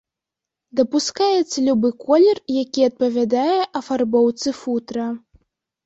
Дапускаецца любы колер, які адпавядае афарбоўцы футра.